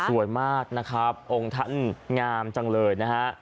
สวยมากนะครับองค์ท่านงามจังเลยนะฮะ